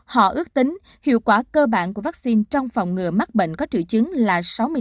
họ ước tính hiệu quả cơ bản của vaccine trong phòng ngừa mắc bệnh có triệu chứng là sáu mươi bốn